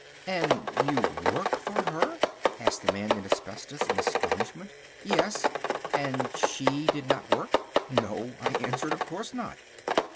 "And you worked for her?" asked the Man in Asbestos in astonishment. "Yes." "And she did not work?" "No," I answered, "of course not."